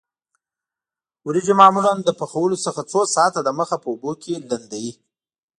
وریجې معمولاً له پخولو څخه څو ساعته د مخه په اوبو کې لمدوي.